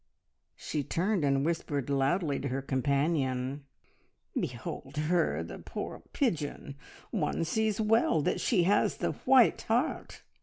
She turned and whispered loudly to her companion, "Behold her, the poor pigeon! One sees well that she has the white heart!"